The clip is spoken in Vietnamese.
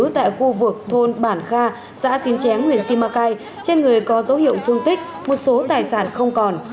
tại khu vực thôn bản kha xã xín chén huyện simacai trên người có dấu hiệu thương tích một số tài sản không còn